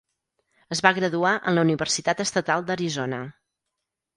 Es va graduar en la Universitat Estatal d'Arizona.